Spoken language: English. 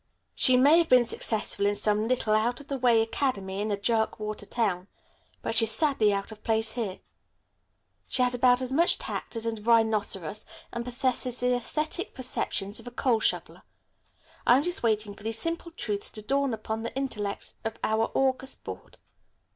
She may have been successful in some little, out of the way academy in a jerkwater town, but she's sadly out of place here. She has about as much tact as a rhinoceros, and possesses the æsthetic perceptions of a coal shoveler. I'm just waiting for these simple truths to dawn upon the intellects of our august Board.